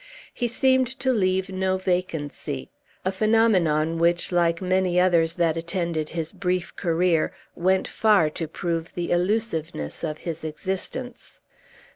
He seemed to leave no vacancy; a phenomenon which, like many others that attended his brief career, went far to prove the illusiveness of his existence.